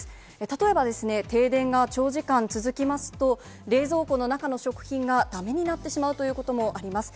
例えば、停電が長時間続きますと、冷蔵庫の中の食品がだめになってしまうということもあります。